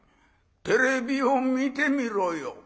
テレビを見てみろよ。